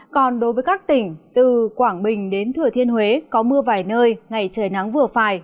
còn đối với các tỉnh từ quảng bình đến thừa thiên huế có mưa vài nơi ngày trời nắng vừa phải